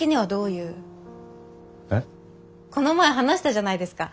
この前話したじゃないですか。